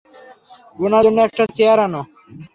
উনার জন্য একটা চেয়ার আনো।